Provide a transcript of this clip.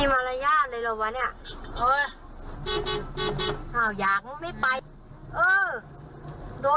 ไปเล่นรั้งทำไมนะ